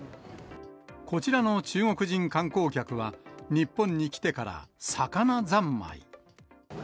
こちらの中国人観光客は日本に来てから魚三昧。